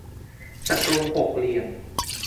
สกรูหกเหลี่ยม